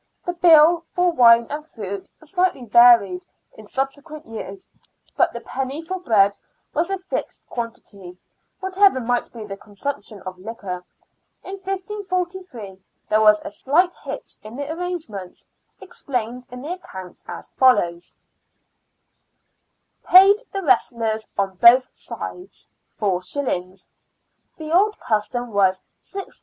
The bill for wine and fruit slightly varied in subsequent years, but the penny for bread was a fixed quantity, whatever might be the consumption of liquor. In 1543 there was a slight hitch in the arrangements, explained in the accounts as follows :— SIXTEENTH CENTURY BRISTOL. " Paid the wrestlers on both sides, 4s. The old custom was 6s.